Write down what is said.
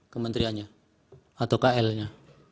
kementeriannya atau kl nya